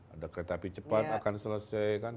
ada kereta api cepat akan selesai kan